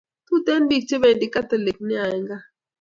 Tuten pik che pendi katholik nea en gaa